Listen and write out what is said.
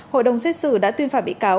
hội đồng xét xử đã tuyên phạt bị cáo